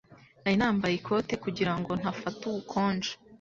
Nari nambaye ikote kugira ngo ntafata ubukonje.